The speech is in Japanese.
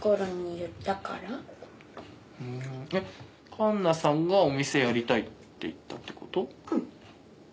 かんなさんがお店やりたいって言ったってこと？